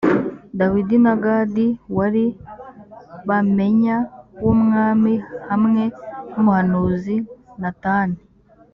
dawidi na gadih wari bamenya w umwami hamwe n umuhanuzi natani